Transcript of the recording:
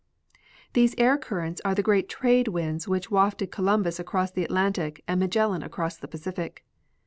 Tliese air currents are the great trade winds which wafted Columbus across the Atlantic and Magellan across the Pacific.